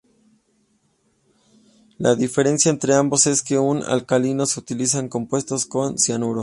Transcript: La diferencia entre ambos es que en el alcalino se utilizan compuestos con cianuro.